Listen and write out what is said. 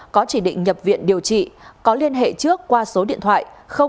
có chỉ định nhập viện điều trị có liên hệ trước qua số điện thoại ba trăm tám mươi tám